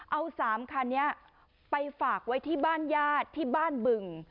เอา๓คันนี้ไปฝากไว้ที่บ้านญาติที่บ้านบึง